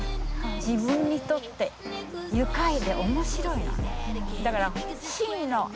自分にとって愉快で面白いの。